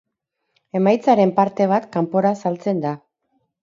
Emaitzaren parte bat kanpora saltzen da.